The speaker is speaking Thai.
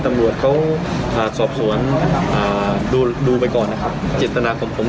ตำรวจเขาอ่าสอบสวนอ่าดูดูไปก่อนนะครับเจตนาของผม